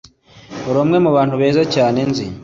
Uri umwe mubantu beza cyane nzi.